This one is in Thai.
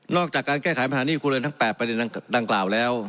จากการแก้ไขปัญหาหนี้ครัวเรือนทั้ง๘ประเด็นดังกล่าวแล้ว